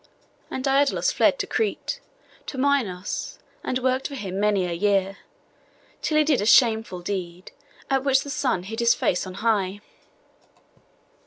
And Daidalos fled to Crete, to Minos, and worked for him many a year, till he did a shameful deed, at which the sun hid his face on high.